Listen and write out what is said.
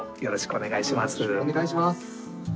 お願いします。